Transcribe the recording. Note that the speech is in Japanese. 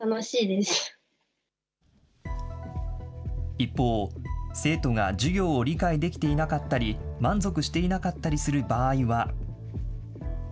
一方、生徒が授業を理解できていなかったり、満足していなかったりする場合は。